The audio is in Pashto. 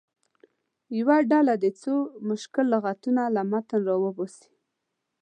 یوه ډله دې څو مشکل لغتونه له متن راوباسي.